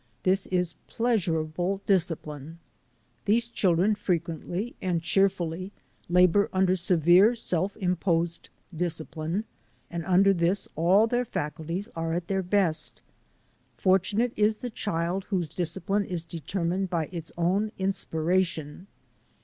This is pleasurable discipline. These children frequently and cheerfully labour i 7 4 THE ADVENTURES OF A NATURE GUIDE under severe, self imposed discipline, and under this all their faculties are at their best. Fortunate is the child whose discipline is determined by its own inspiration.